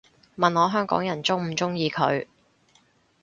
問我香港人鍾唔鍾意佢